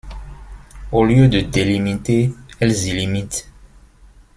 Au lieu de délimiter, elles illimitent.